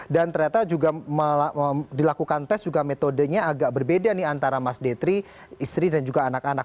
ternyata juga dilakukan tes juga metodenya agak berbeda nih antara mas detri istri dan juga anak anak